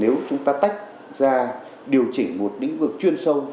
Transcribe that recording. nếu chúng ta tách ra điều chỉnh một lĩnh vực chuyên sâu